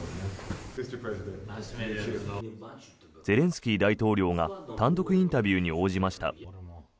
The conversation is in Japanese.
ゼレンスキー大統領が単独インタビューに応じました。